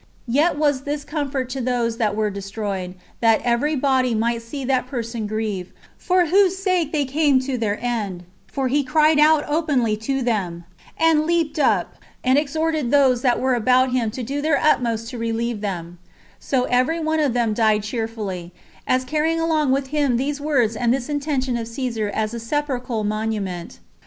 Yet was this some comfort to those that were destroyed, that every body might see that person grieve, for whose sake they came to their end; for he cried out openly to them, and leaped up, and exhorted those that were about him to do their utmost to relieve them; So every one of them died cheerfully, as carrying along with him these words and this intention of Caesar as a sepulchral monument.